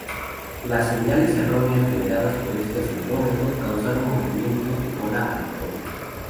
Las señales erróneas generadas por este acelerómetro causaron movimientos de cola aleatorios.